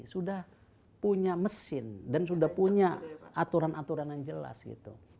sudah punya mesin dan sudah punya aturan aturan yang jelas gitu